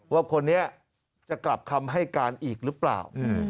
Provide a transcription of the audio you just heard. ว่าคนนี้จะกลับคำให้การอีกหรือเปล่า